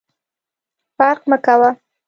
فرق مه کوه !